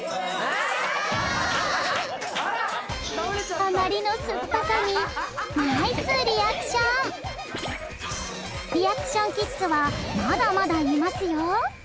あまりの酸っぱさにナイスリアクションリアクションキッズはまだまだいますよ